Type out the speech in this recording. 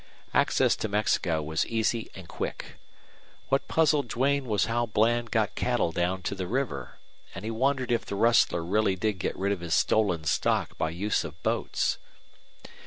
Access to Mexico was easy and quick. What puzzled Duane was how Bland got cattle down to the river, and he wondered if the rustler really did get rid of his stolen stock by use of boats.